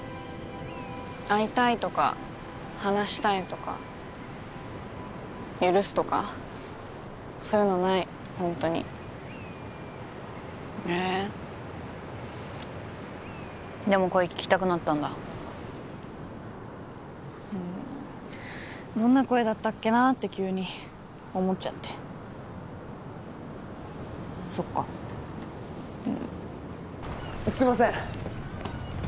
会いたいとか話したいとか許すとかそういうのない本当にへえでも声聞きたくなったんだうんどんな声だったっけなって急に思っちゃってそっかうんすいません！